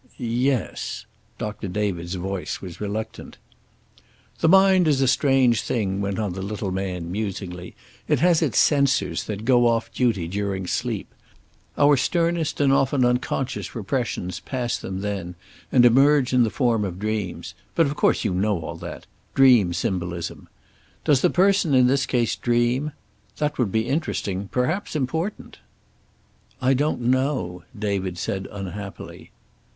"Yes." Doctor David's voice was reluctant. "The mind is a strange thing," went on the little man, musingly. "It has its censors, that go off duty during sleep. Our sternest and often unconscious repressions pass them then, and emerge in the form of dreams. But of course you know all that. Dream symbolism. Does the person in this case dream? That would be interesting, perhaps important." "I don't know," David said unhappily.